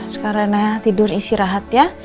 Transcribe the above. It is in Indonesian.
sekarang naya tidur isi rahat ya